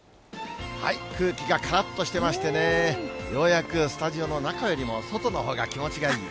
空気がからっとしてましてね、ようやくスタジオの中よりも外のほうが気持ちがいい。